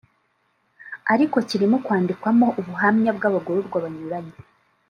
ariko kirimo kwandikwamo ubuhamya bw’abagororwa banyuranye